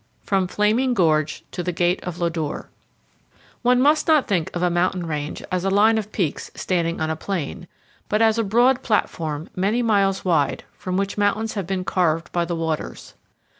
FROM FLAMING GORGE TO THE GATE OF LODORE. ONE must not think of a mountain range as a line of peaks standing on a plain, but as a broad platform many miles wide from which mountains have been carved by the waters.